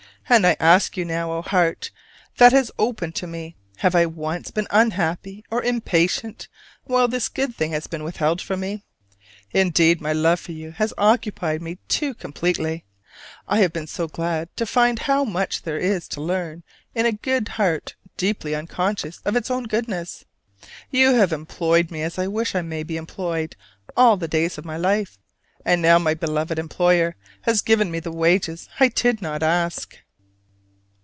And I ask you now, O heart that has opened to me, have I once been unhappy or impatient while this good thing has been withheld from me? Indeed my love for you has occupied me too completely: I have been so glad to find how much there is to learn in a good heart deeply unconscious of its own goodness. You have employed me as I wish I may be employed all the days of my life: and now my beloved employer has given me the wages I did not ask.